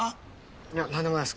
いや何でもないです。